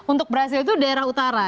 untuk brazil itu daerah utara